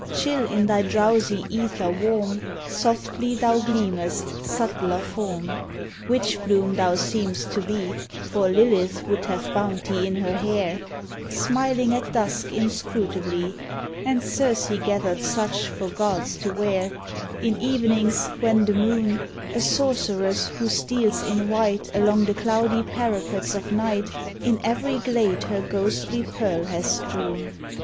Chill, in thy drowsy aether warm. Softly thou gleamest, subtler form; Witch bloom thou seem'st to be. For Lilith would have bound thee in her hair — 36 THE HOUSE OF ORCHIDS Smiling at dusk inscrutably, And Circe gathered such for gods to wear, In evenings when the moon, A sorceress who steals in white Along the cloudy parapets of night, In every glade her ghostly pearl hath strewn.